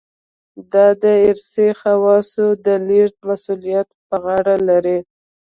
دا د ارثي خواصو د لېږد مسوولیت په غاړه لري.